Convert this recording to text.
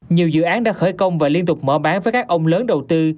nhiều dự án đã khởi công và liên tục mở bán với các ông lớn đầu tư